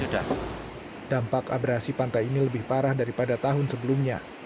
dampak abrasi pantai ini lebih parah daripada tahun sebelumnya